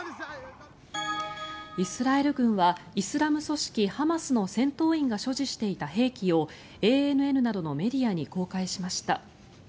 イスラエル軍はイスラム組織ハマスの戦闘員が所持していた兵器をＡＮＮなどのメディアに公開しました。